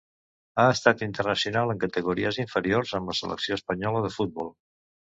Ha estat internacional en categories inferiors amb la selecció espanyola de futbol.